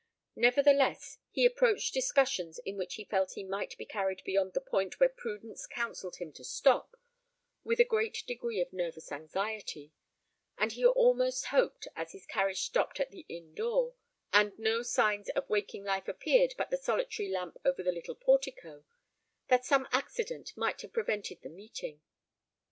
Nevertheless, he approached discussions in which he felt he might be carried beyond the point where prudence counselled him to stop, with a great degree of nervous anxiety; and he almost hoped, as his carriage stopped at the inn door, and no signs of waking life appeared but the solitary lamp over the little portico, that some accident might have prevented the meeting.